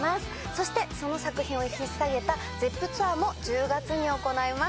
そしてその作品をひっさげたＺｅｐｐツアーも１０月に行います